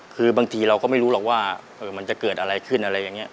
คือบางทีเราก็ไม่รู้หรอกว่ามันจะเกิดอะไรขึ้นอะไรอย่างนี้